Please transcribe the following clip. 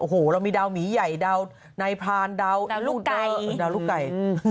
โอ้โฮเรามีดาวหมีใหญ่ดาวนายพรานดาวลูกไก่